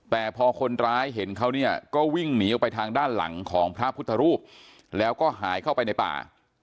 แต่พอคนร้ายเห็นเขาเนี่ยก็วิ่งหนีออกไปทางด้านหลังของพระพุทธรูปแล้วก็หายเข้าไปในป่า